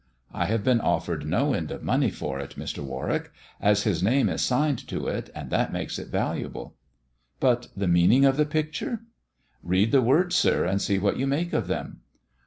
I have been offered no end of money for it, Mr. Warwick, as his name is signed to it, and that makes it valuable." " But the meaning of the picture 1 "" Read the words, sir, and see what you make of them."